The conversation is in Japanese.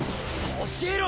教えろ！